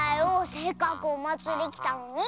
せっかくおまつりきたのに！